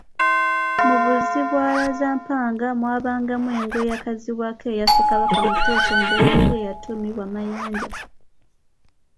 Mu Muzibwazalampanga mwabangamu engo eyakazibwanga eya Ssekabaka Muteesa omuberyeberye eyatumibwa Mayanja.